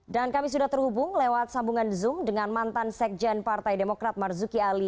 dan kami sudah terhubung lewat sambungan zoom dengan mantan sekjen partai demokrat marzuki ali